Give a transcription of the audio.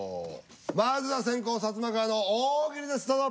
まずは先攻サツマカワの大喜利ですどうぞ。